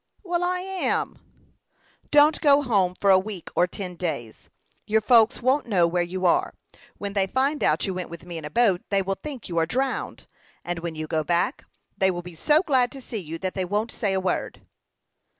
"Well, I am." "Don't go home for a week or ten days. Your folks won't know where you are. When they find out you went with me in a boat, they will think you are drowned; and when you go back, they will be so glad to see you that they won't say a word."